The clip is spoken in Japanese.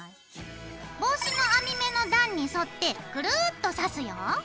帽子の編み目の段に沿ってぐるっと刺すよ。